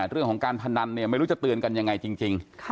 เรื่องของการพนันเนี่ยไม่รู้จะเตือนกันยังไงจริง